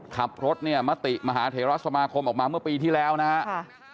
ขับรถเนี่ยมติมหาเทราสมาคมออกมาเมื่อปีที่แล้วนะครับ